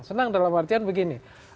senang dalam artian begini